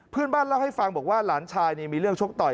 เพื่อนบ้านเล่าให้ฟังบอกว่าหลานชายมีเรื่องชกต่อย